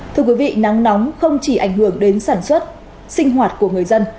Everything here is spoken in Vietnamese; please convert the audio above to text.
thưa quý vị nắng nóng không chỉ ảnh hưởng đến sản xuất sinh hoạt của người dân